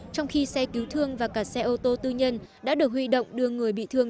trong khi xe cứu thương và cả xe ô tô tư nhân đã được huy động đưa người bị thương